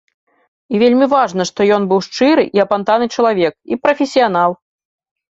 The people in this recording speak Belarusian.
І вельмі важна, што ён быў шчыры і апантаны чалавек і прафесіянал.